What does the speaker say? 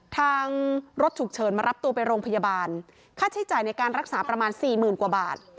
ทางรถฉุกเฉินมารับตัวไปโรงพยาบาลค่าใช้จ่ายในการรักษาประมาณสี่หมื่นกว่าบาท